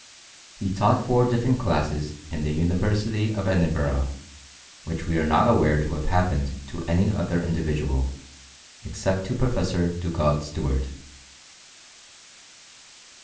He taught four different classes in the University of Edinburgh, which we are not aware to have happened to any other individual, except to professor Dugald Stewart.